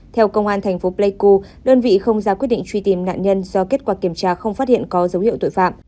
theo công an thành phố pleiku đơn vị không ra quyết định truy tìm nạn nhân do kết quả kiểm tra không phát hiện có dấu hiệu tội phạm